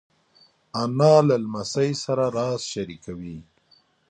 انا له لمسۍ سره راز شریکوي